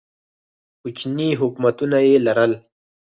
کوچني حکومتونه یې لرل.